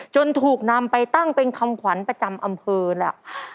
ถูกนำไปตั้งเป็นคำขวัญประจำอำเภอแล้ว